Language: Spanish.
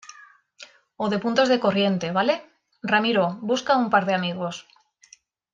o de puntos de corriente, ¿ vale? ramiro , busca a un par de amigos